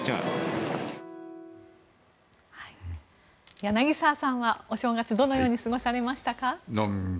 柳澤さんはお正月どのように過ごされましたか？